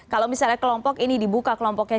kalau misalnya kelompok ini dibuka kelompoknya